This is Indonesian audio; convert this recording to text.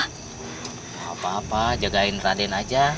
tidak apa apa jagain raden aja